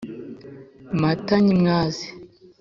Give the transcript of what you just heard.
Mata nyimwaze